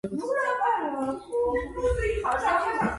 მანამდე მის შესახებ ინფორმაცია იყო, მაგრამ ტექსტი არ მოიპოვებოდა.